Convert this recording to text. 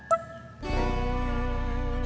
berarti emek yang mikir kaya gitu